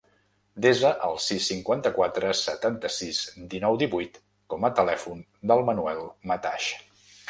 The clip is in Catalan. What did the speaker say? Desa el sis, cinquanta-quatre, setanta-sis, dinou, divuit com a telèfon del Manuel Mataix.